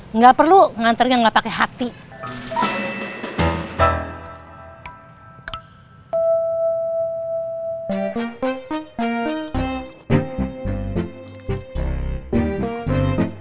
enggak perlu nganterin enggak pake handikin aja